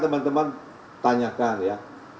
teman teman tanyakan ya